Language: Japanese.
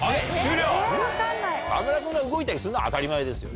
沢村君が動いたりするのは当たり前ですよね。